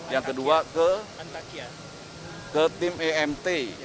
yang kedua ke tim emt